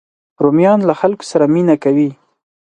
رومیان له خلکو سره مینه کوي